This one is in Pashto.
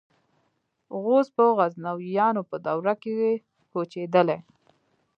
غوز په غزنویانو په دوره کې کوچېدلي.